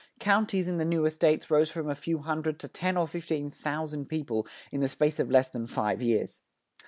Counties in the newer states rose from a few hundred to ten or fifteen thousand people in the space of less than five years.